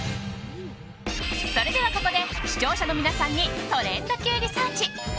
それではここで視聴者の皆さんにトレンドＱリサーチ。